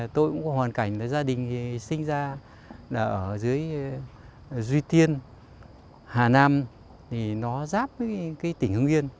tôi cũng có hoàn cảnh là gia đình sinh ra ở dưới duy tiên hà nam thì nó ráp với cái tỉnh hương yên